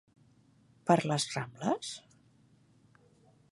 Per les Rambles?